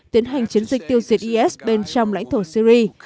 tiến hành chiến dịch tiêu diệt is bên trong lãnh thổ syri